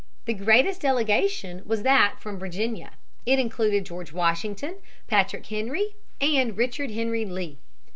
The greatest delegation was that from Virginia. It included George Washington, Patrick Henry, and Richard Henry Lee.